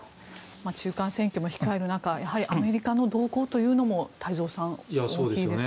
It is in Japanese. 中間選挙も控える中アメリカの動向というのも太蔵さん、大きいですね。